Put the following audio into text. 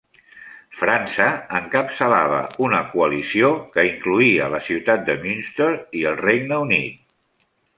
França encapçalava una coalició que incloïa la ciutat de Münster i el Regne Unit.